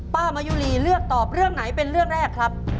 มายุรีเลือกตอบเรื่องไหนเป็นเรื่องแรกครับ